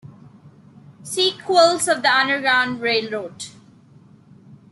See Quilts of the Underground Railroad.